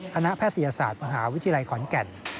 แพทยศาสตร์มหาวิทยาลัยขอนแก่น